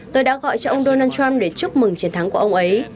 tôi đã gọi cho ông donald trump để chúc mừng chiến thắng của ông ấy